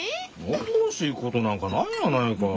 おっとろしいことなんかないやないか。